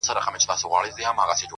ستا د ږغ څــپــه - څـپه -څپــه نـه ده-